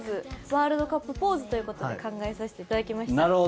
ワールドカップポーズということで考えさせていただきました。